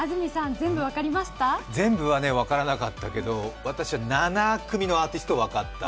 全部は分からなかったけど、私は７組のアーティスト分かった。